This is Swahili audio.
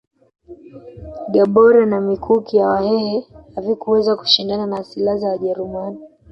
Gobore na mikuki ya wahehe havikuweza kushindana na silaha za wajerumani